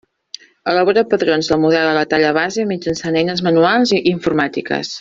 Elabora patrons del model a la talla base mitjançant eines manuals i informàtiques.